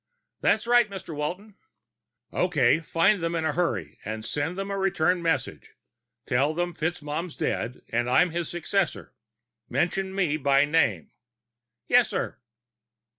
"That's right, Mr. Walton." "Okay. Find them in a hurry and send them a return message. Tell them FitzMaugham's dead and I'm his successor. Mention me by name." "Yes, sir."